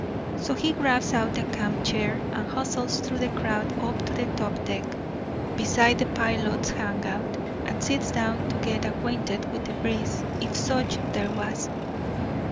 So he grabs out a camp chair and hustles through the crowd up to the top deck, beside the pilot's hangout, and sits down to get acquainted with the breeze, if such there was.